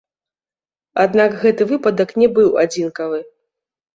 Аднак гэты выпадак не быў адзінкавы.